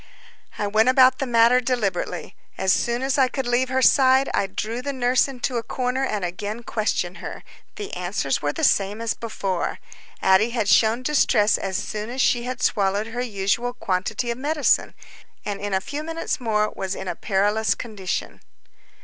I went about the matter deliberately. As soon as I could leave her side, I drew the nurse into a corner and again questioned her. The answers were the same as before. Addie had shown distress as soon as she had swallowed her usual quantity of medicine, and in a few minutes more was in a perilous condition.